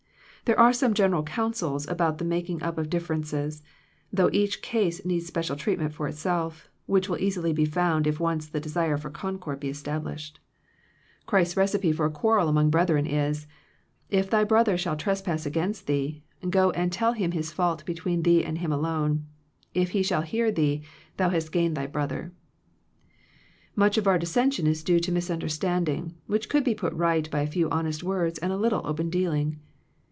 There are some general counsels about the making up of differences, though each case needs special treatment for itself, which will easily be found if once the desire for concord be established. Christ's »74 Digitized by VjOOQIC THE RENEWING OF FRIENDSHIP recipe for a quarrel among brethren is: "If thy brother shall trespass against thee, go and tell him his fault between thee and him alone; if h'e shall hear thee, thou hast gained thy brother." Much of our dissension is due to mis understanding, which could be put right by a few honest words and a little open dealing.